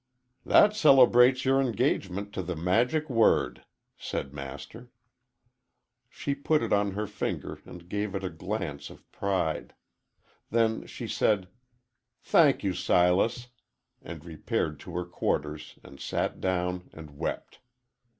"That celebrates your engagement to the Magic Word," said Master. She put it on her finger and gave it a glance of pride. Then she said, "Thank you, Silas," and repaired to her quarters and sat down and wept.